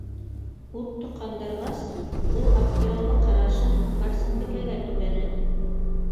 Ут тоҡандырғас, ул аптыраулы ҡарашын Барсынбикәгә төбәне: